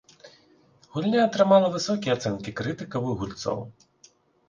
Гульня атрымала высокія ацэнкі крытыкаў і гульцоў.